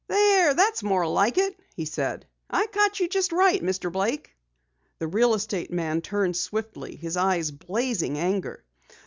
"There, that's more like it," he said. "I caught you just right, Mr. Blake." The real estate man turned swiftly, his eyes blazing anger.